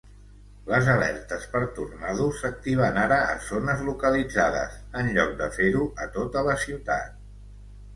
Les alertes per tornado s'activen ara a zones localitzades, en lloc de fer-ho a tota la ciutat.